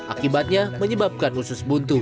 akibatnya menyebabkan usus buntu